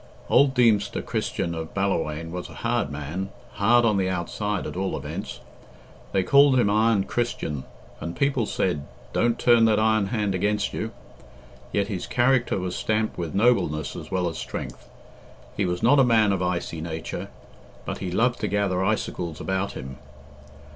Old Deemster Christian of Ballawhaine was a hard man hard on the outside, at all events. They called him Iron Christian, and people said, "Don't turn that iron hand against you." Yet his character was stamped with nobleness as well as strength. He was not a man of icy nature, but he loved to gather icicles about him.